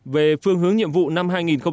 về phương hướng nhiệm vụ năm hai nghìn một mươi tám